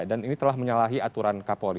dan ini telah menyalahi aturan kapolri